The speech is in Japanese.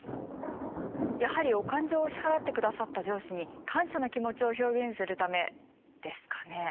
やはりお勘定を支払ってくださった上司に感謝の気持ちを表現するためですかね。